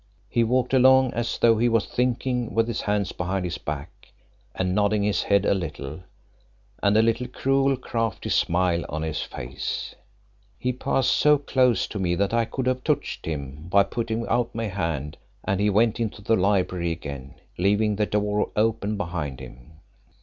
He walked along as though he was thinking, with his hands behind his back, and nodding his head a little, and a little cruel, crafty smile on his face. He passed so close to me that I could have touched him by putting out my hand, and he went into the library again, leaving the door open behind him.